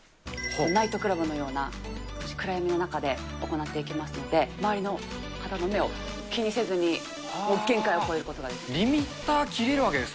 ナイトクラブのような暗闇の中で行っていきますので、周りの方の目を気にせずに限界を超えることができます。